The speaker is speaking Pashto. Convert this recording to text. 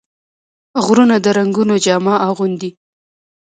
غرونه د رنګونو جامه اغوندي